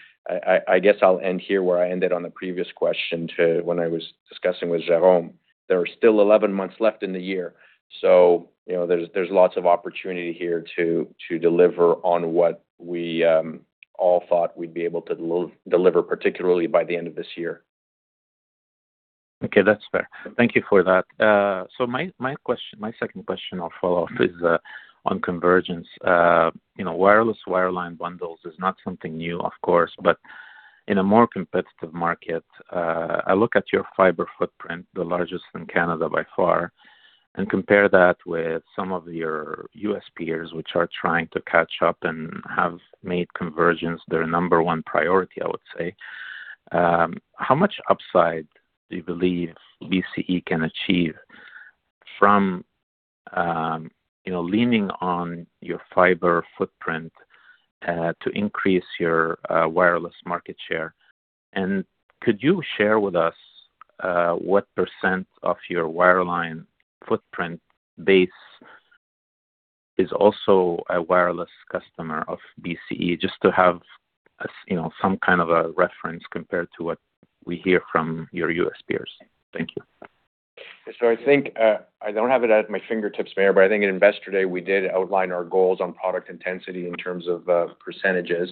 I guess I'll end here where I ended on the previous question when I was discussing with Jérôme. There are still 11 months left in the year. So there's lots of opportunity here to deliver on what we all thought we'd be able to deliver, particularly by the end of this year. Okay. That's fair. Thank you for that. So my second question or follow-up is on convergence. Wireless wire line bundles is not something new, of course, but in a more competitive market, I look at your fibre footprint, the largest in Canada by far, and compare that with some of your U.S. peers, which are trying to catch up and have made convergence their number one priority, I would say. How much upside do you believe BCE can achieve from leaning on your fibre footprint to increase your wireless market share? And could you share with us what % of your wire line footprint base is also a wireless customer of BCE, just to have some kind of a reference compared to what we hear from your U.S. peers? Thank you. So, I think I don't have it at my fingertips, Maher, but I think at Investor Day, we did outline our goals on product intensity in terms of percentages: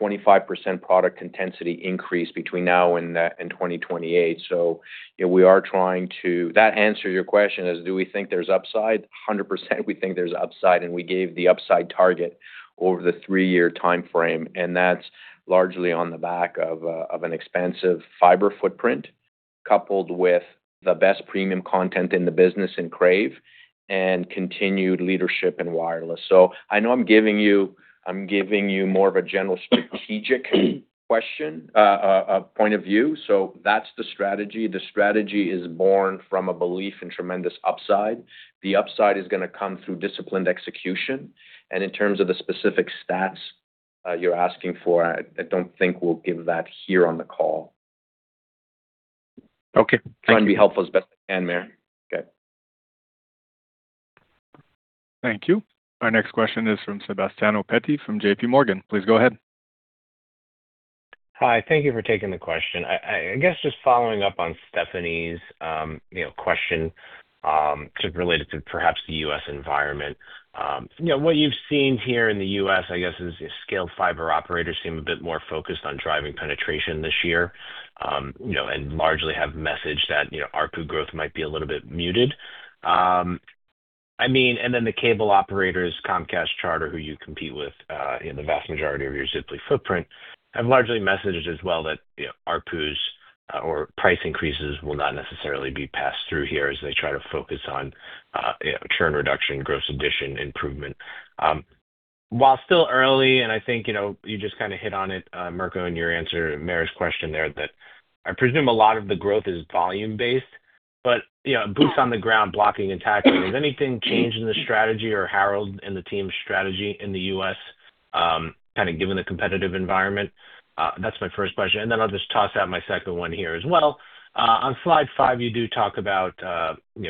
25% product intensity increase between now and 2028. So we are trying to that answer your question is, do we think there's upside? 100%, we think there's upside, and we gave the upside target over the three-year time frame. And that's largely on the back of an expansive fibre footprint coupled with the best premium content in the business in Crave and continued leadership in wireless. So, I know I'm giving you more of a general strategic point of view. So that's the strategy. The strategy is born from a belief in tremendous upside. The upside is going to come through disciplined execution. In terms of the specific stats you're asking for, I don't think we'll give that here on the call. Okay. Thank you. Try and be helpful as best I can, Maher. Okay. Thank you. Our next question is from Sebastiano Petti from JPMorgan. Please go ahead. Hi. Thank you for taking the question. I guess just following up on Stephanie's question just related to perhaps the U.S. environment. What you've seen here in the U.S., I guess, is scaled fibre operators seem a bit more focused on driving penetration this year and largely have messaged that ARPU growth might be a little bit muted. I mean, and then the cable operators, Comcast, Charter, who you compete with in the vast majority of your Ziply footprint, have largely messaged as well that ARPUs or price increases will not necessarily be passed through here as they try to focus on churn reduction, gross addition improvement. While still early, and I think you just kind of hit on it, Mirko, in your answer, Maher's question there that I presume a lot of the growth is volume-based, but boots on the ground, blocking and tackling. Has anything changed in the strategy or narrowed in the team's strategy in the U.S., kind of given the competitive environment? That's my first question. And then I'll just toss out my second one here as well. On slide 5, you do talk about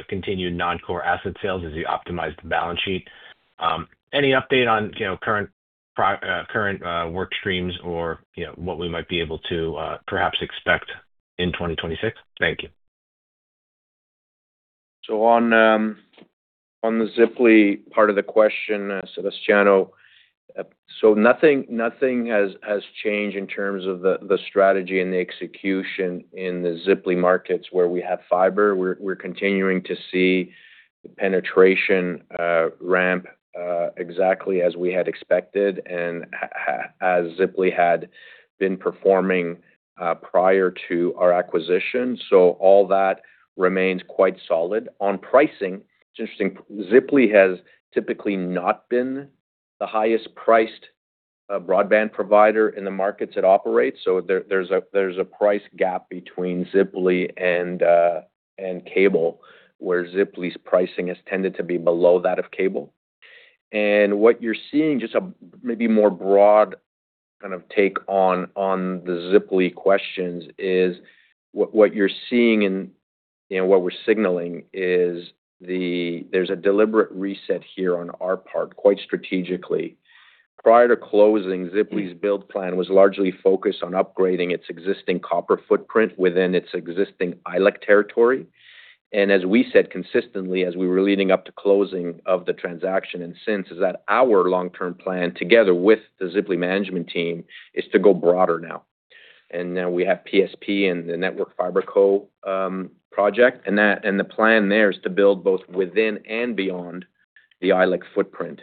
continued non-core asset sales as you optimize the balance sheet. Any update on current work streams or what we might be able to perhaps expect in 2026? Thank you. So on the Ziply part of the question, Sebastiano, so nothing has changed in terms of the strategy and the execution in the Ziply markets where we have fibre. We're continuing to see the penetration ramp exactly as we had expected and as Ziply had been performing prior to our acquisition. So all that remains quite solid. On pricing, it's interesting. Ziply has typically not been the highest-priced broadband provider in the markets it operates. So there's a price gap between Ziply and cable, where Ziply's pricing has tended to be below that of cable. And what you're seeing, just a maybe more broad kind of take on the Ziply questions, is what you're seeing and what we're signaling is there's a deliberate reset here on our part quite strategically. Prior to closing, Ziply's build plan was largely focused on upgrading its existing copper footprint within its existing ILEC territory. As we said consistently as we were leading up to closing of the transaction and since, our long-term plan together with the Ziply management team is to go broader now. Now we have PSP and the Network FiberCo project. The plan there is to build both within and beyond the ILEC footprint.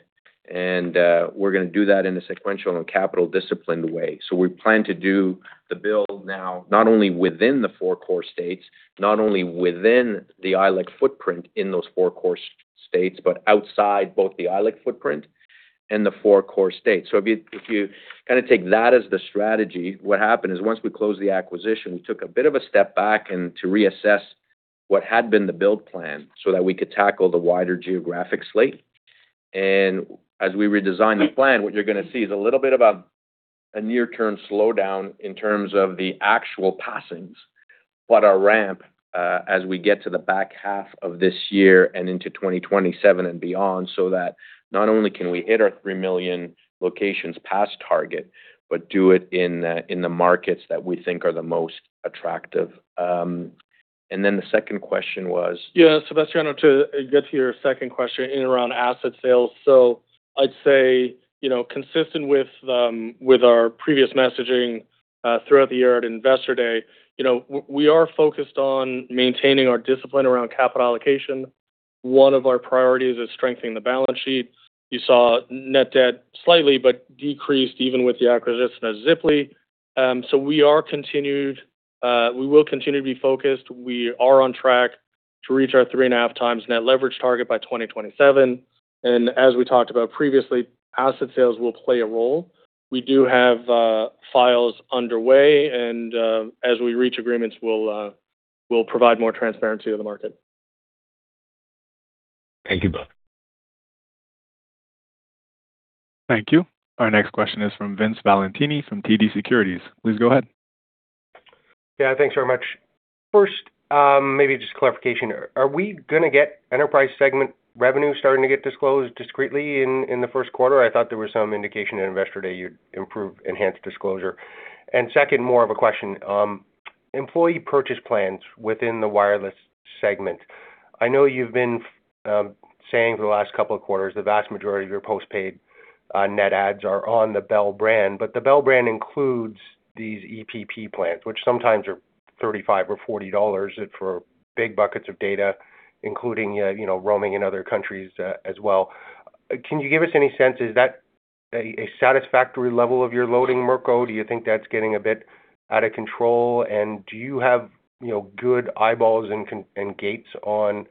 We're going to do that in a sequential and capital-disciplined way. So we plan to do the build now not only within the four core states, not only within the ILEC footprint in those four core states, but outside both the ILEC footprint and the four core states. So if you kind of take that as the strategy, what happened is once we closed the acquisition, we took a bit of a step back to reassess what had been the build plan so that we could tackle the wider geographic slate. And as we redesign the plan, what you're going to see is a little bit of a near-term slowdown in terms of the actual passings, but a ramp as we get to the back half of this year and into 2027 and beyond so that not only can we hit our 3 million locations past target, but do it in the markets that we think are the most attractive. And then the second question was. Yeah. Sebastiano, to get to your second question around asset sales. So I'd say consistent with our previous messaging throughout the year at Investor Day, we are focused on maintaining our discipline around capital allocation. One of our priorities is strengthening the balance sheet. You saw net debt slightly but decreased even with the acquisition of Ziply. So we will continue to be focused. We are on track to reach our 3.5x net leverage target by 2027. And as we talked about previously, asset sales will play a role. We do have files underway, and as we reach agreements, we'll provide more transparency to the market. Thank you both. Thank you. Our next question is from Vince Valentini from TD Securities. Please go ahead. Yeah. Thanks very much. First, maybe just clarification. Are we going to get enterprise segment revenue starting to get disclosed discretely in the first quarter? I thought there was some indication at Investor Day you'd enhance disclosure. And second, more of a question: employee purchase plans within the wireless segment. I know you've been saying for the last couple of quarters the vast majority of your postpaid net adds are on the Bell brand, but the Bell brand includes these EPP plans, which sometimes are $35 or $40 for big buckets of data, including roaming in other countries as well. Can you give us any sense? Is that a satisfactory level of your loading, Mirko? Do you think that's getting a bit out of control? Do you have good eyeballs and gates on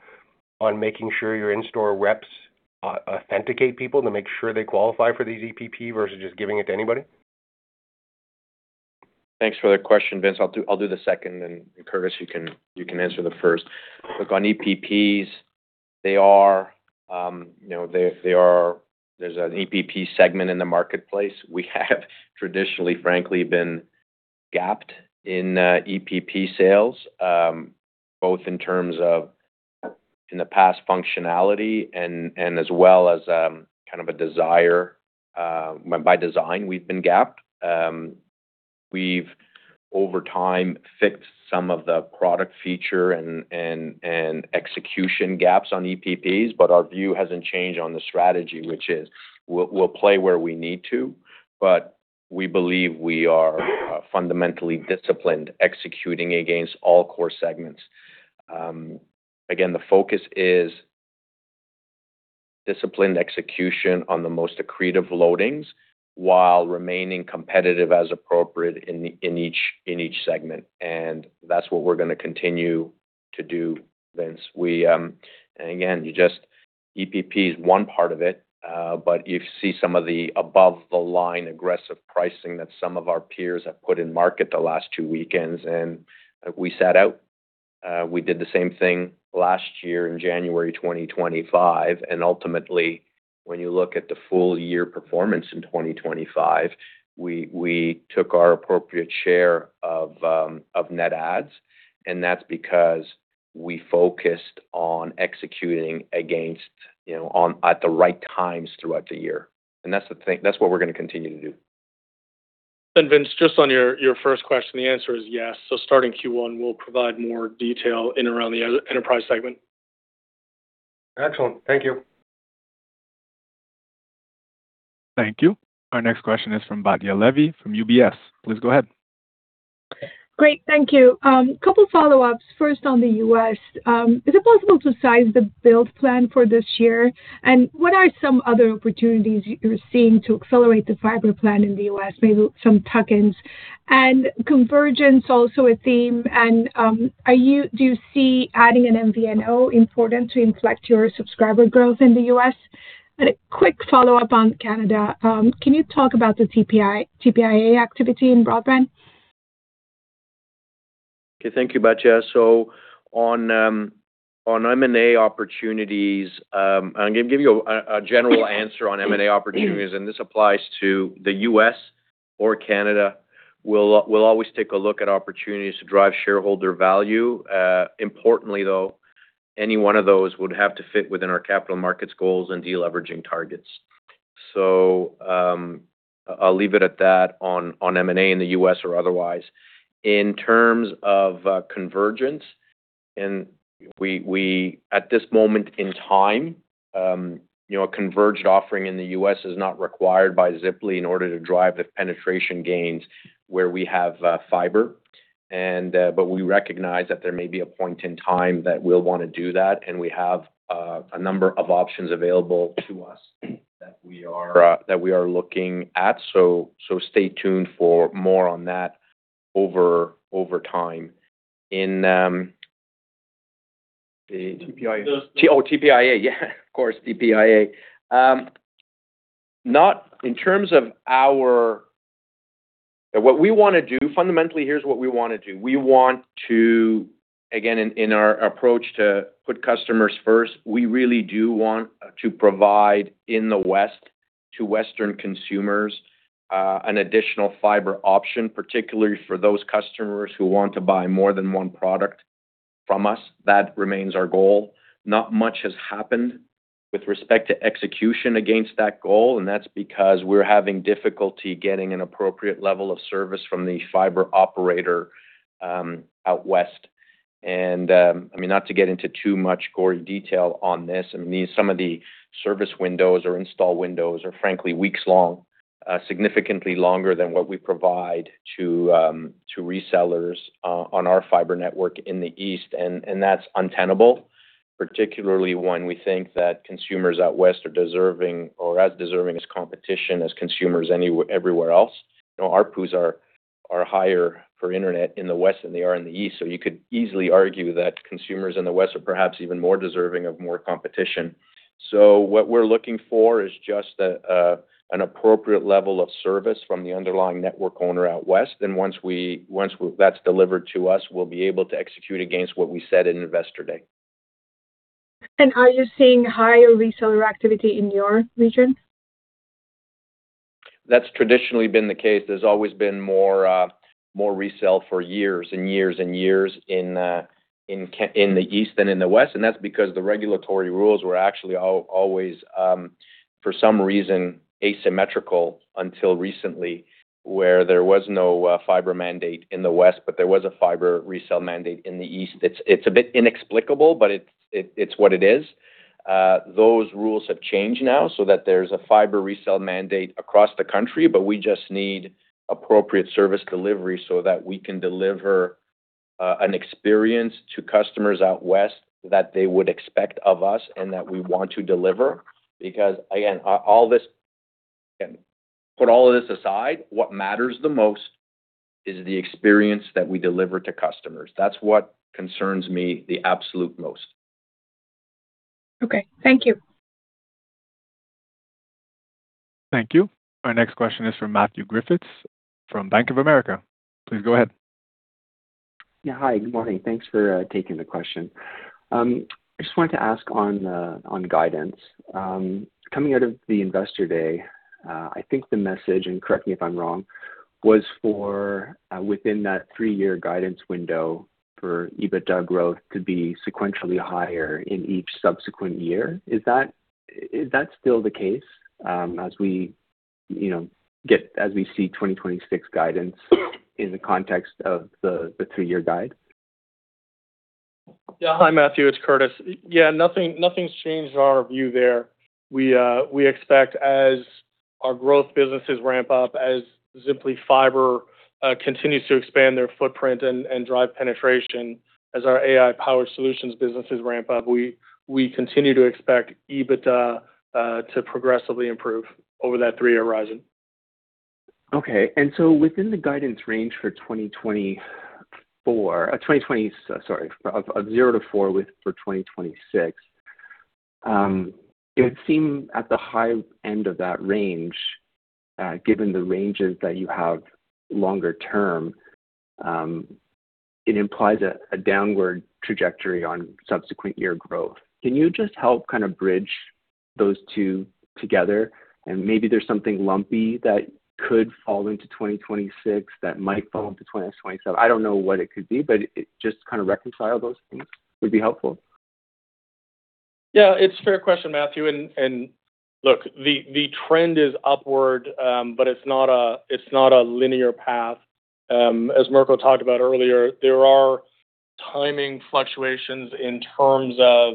making sure your in-store reps authenticate people to make sure they qualify for these EPP versus just giving it to anybody? Thanks for the question, Vince. I'll do the second, and Curtis, you can answer the first. Look, on EPPs, there's an EPP segment in the marketplace. We have traditionally, frankly, been gapped in EPP sales, both in terms of in the past functionality and as well as kind of a desire. By design, we've been gapped. We've, over time, fixed some of the product feature and execution gaps on EPPs, but our view hasn't changed on the strategy, which is we'll play where we need to, but we believe we are fundamentally disciplined executing against all core segments. Again, the focus is disciplined execution on the most accretive loadings while remaining competitive as appropriate in each segment. And that's what we're going to continue to do, Vince. Again, EPP is one part of it, but you see some of the above-the-line aggressive pricing that some of our peers have put in market the last two weekends. We sat out. We did the same thing last year in January 2025. Ultimately, when you look at the full-year performance in 2025, we took our appropriate share of net adds. That's because we focused on executing at the right times throughout the year. That's what we're going to continue to do. Vince, just on your first question, the answer is yes. Starting Q1, we'll provide more detail in and around the enterprise segment. Excellent. Thank you. Thank you. Our next question is from Batya Levi from UBS. Please go ahead. Great. Thank you. A couple of follow-ups. First, on the U.S., is it possible to size the build plan for this year? And what are some other opportunities you're seeing to accelerate the fibre plan in the U.S.? Maybe some tuck-ins. And convergence, also a theme. And do you see adding an MVNO important to inflect your subscriber growth in the U.S.? And a quick follow-up on Canada. Can you talk about the TPIA activity in broadband? Okay. Thank you, Batya. So on M&A opportunities, I'm going to give you a general answer on M&A opportunities. And this applies to the U.S. or Canada. We'll always take a look at opportunities to drive shareholder value. Importantly, though, any one of those would have to fit within our capital markets goals and de-leveraging targets. So I'll leave it at that on M&A in the U.S. or otherwise. In terms of convergence, and at this moment in time, a converged offering in the U.S. is not required by Ziply in order to drive the penetration gains where we have fibre. But we recognize that there may be a point in time that we'll want to do that, and we have a number of options available to us that we are looking at. So stay tuned for more on that over time. TPIA. Oh, TPIA. Yeah, of course, TPIA. In terms of what we want to do, fundamentally, here's what we want to do. Again, in our approach to put customers first, we really do want to provide in the West to Western consumers an additional fibre option, particularly for those customers who want to buy more than one product from us. That remains our goal. Not much has happened with respect to execution against that goal, and that's because we're having difficulty getting an appropriate level of service from the fibre operator out west. And I mean, not to get into too much gory detail on this, I mean, some of the service windows or install windows are, frankly, weeks long, significantly longer than what we provide to resellers on our fibre network in the East. That's untenable, particularly when we think that consumers out west are as deserving as competition as consumers everywhere else. Our ARPUs are higher for internet in the West than they are in the East. So you could easily argue that consumers in the West are perhaps even more deserving of more competition. So what we're looking for is just an appropriate level of service from the underlying network owner out west. And once that's delivered to us, we'll be able to execute against what we said in Investor Day. Are you seeing higher reseller activity in your region? That's traditionally been the case. There's always been more resale for years and years and years in the East than in the West. That's because the regulatory rules were actually always, for some reason, asymmetrical until recently, where there was no fibre mandate in the West, but there was a fibre resale mandate in the East. It's a bit inexplicable, but it's what it is. Those rules have changed now so that there's a fibre resale mandate across the country, but we just need appropriate service delivery so that we can deliver an experience to customers out west that they would expect of us and that we want to deliver. Because again, put all of this aside, what matters the most is the experience that we deliver to customers. That's what concerns me the absolute most. Okay. Thank you. Thank you. Our next question is from Matthew Griffiths from Bank of America. Please go ahead. Yeah. Hi. Good morning. Thanks for taking the question. I just wanted to ask on guidance. Coming out of the Investor Day, I think the message - and correct me if I'm wrong - was for within that three-year guidance window for EBITDA growth to be sequentially higher in each subsequent year. Is that still the case as we see 2026 guidance in the context of the three-year guide? Yeah. Hi, Matthew. It's Curtis. Yeah. Nothing's changed on our view there. We expect as our growth businesses ramp up, as Ziply Fiber continues to expand their footprint and drive penetration, as our AI-powered solutions businesses ramp up, we continue to expect EBITDA to progressively improve over that three-year horizon. Okay. And so within the guidance range for 2024 sorry, of 0-4 for 2026, it would seem at the high end of that range, given the ranges that you have longer term, it implies a downward trajectory on subsequent year growth. Can you just help kind of bridge those two together? And maybe there's something lumpy that could fall into 2026 that might fall into 2027. I don't know what it could be, but just kind of reconcile those things would be helpful. Yeah. It's a fair question, Matthew. And look, the trend is upward, but it's not a linear path. As Mirko talked about earlier, there are timing fluctuations in terms of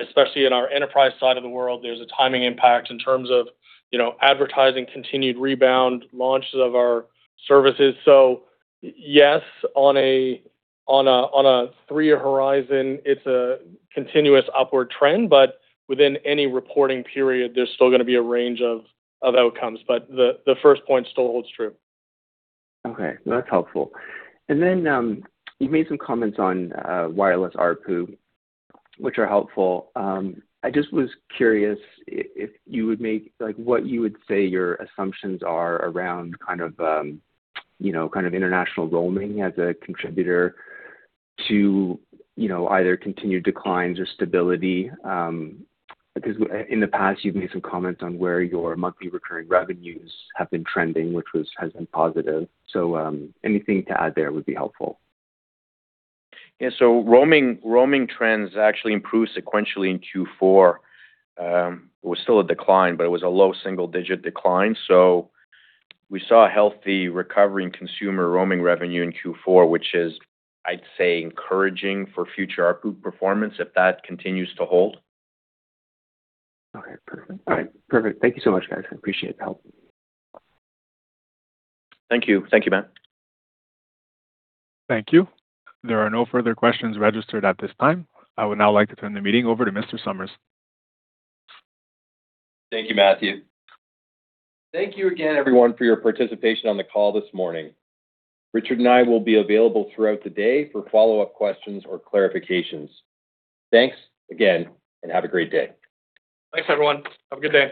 especially in our enterprise side of the world, there's a timing impact in terms of advertising continued rebound, launches of our services. So yes, on a three-year horizon, it's a continuous upward trend, but within any reporting period, there's still going to be a range of outcomes. But the first point still holds true. Okay. That's helpful. And then you made some comments on wireless ARPU, which are helpful. I just was curious if you would make what you would say your assumptions are around kind of international roaming as a contributor to either continued declines or stability. Because in the past, you've made some comments on where your monthly recurring revenues have been trending, which has been positive. So anything to add there would be helpful. Yeah. So roaming trends actually improved sequentially in Q4. It was still a decline, but it was a low single-digit decline. So we saw a healthy recover in consumer roaming revenue in Q4, which is, I'd say, encouraging for future ARPU performance if that continues to hold. Okay. Perfect. All right. Perfect. Thank you so much, guys. I appreciate the help. Thank you. Thank you, Matt. Thank you. There are no further questions registered at this time. I would now like to turn the meeting over to Mr. Summers. Thank you, Matthew. Thank you again, everyone, for your participation on the call this morning. Richard and I will be available throughout the day for follow-up questions or clarifications. Thanks again, and have a great day. Thanks, everyone. Have a good day.